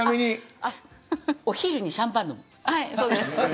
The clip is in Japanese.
お昼にシャンパン飲む。